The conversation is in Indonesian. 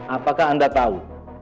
apakah anda tahu